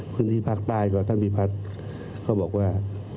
พื้นที่ภาคใต้ก็ท่านพิพัฒน์ก็บอกว่า